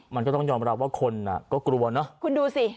มันก็ต้องยอมรับว่าคนก็กลัวเนอะ